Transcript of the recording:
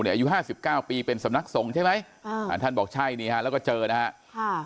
อายุ๕๙ปีเป็นสำนักสงฆ์ใช่ไหมท่านบอกใช่แล้วก็เจอนะครับ